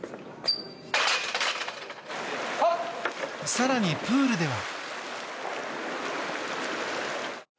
更に、プールでは。